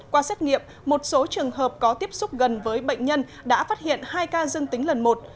qua xét nghiệm một số trường hợp có tiếp xúc gần với bệnh nhân đã phát hiện hai ca dương tính lần một